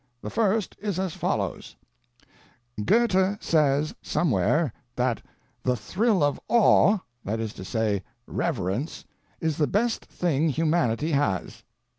The first is as follows: "'Goethe says somewhere that "the thrill of awe," that is to say, REVERENCE, is the best thing humanity has."